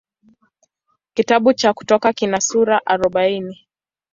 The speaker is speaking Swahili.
Kitabu cha Kutoka kina sura arobaini.